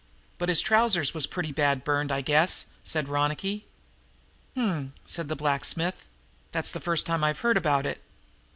"But his trousers was pretty bad burned, I guess," said Ronicky. "H m," said the blacksmith, "that's the first time I've heard about it."